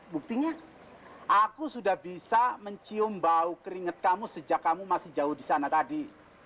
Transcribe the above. buktinya aku sudah bisa mencium bau keringet kamu sejak kamu masih jauh di sana tadi